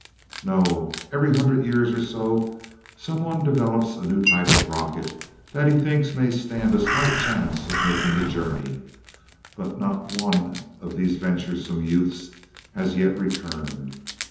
"No. Every hundred years or so someone develops a new type of rocket that he thinks may stand a slight chance of making the journey, but not one of these venturesome youths has as yet returned.